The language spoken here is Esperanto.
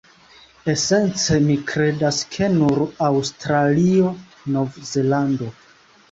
Esence mi kredas, ke nur Aŭstralio, Nov-Zelando